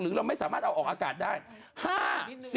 ใจมีคนไปฟ้องนางไงโอ้โหมีคนไปฟ้องอีกแล้วเหรอ